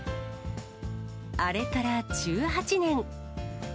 あれから１８年。